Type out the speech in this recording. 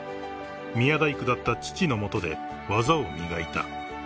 ［宮大工だった父の下で技を磨いた］